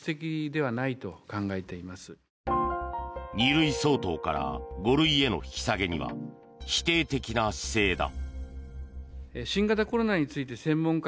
２類相当から５類への引き下げには否定的な姿勢だ。